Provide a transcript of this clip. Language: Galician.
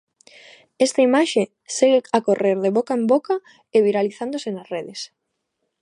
Esta imaxe segue a correr de boca en boca e viralizándose nas redes.